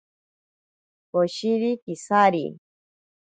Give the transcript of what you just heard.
Koshiri kisakiri.